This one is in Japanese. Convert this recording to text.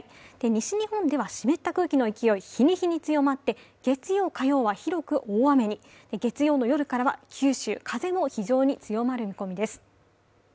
西日本では湿った空気の勢い、日に日に強まって、月曜、火曜は広く大雨に、月曜の夜からは九州、風も非常に強まる見込みです。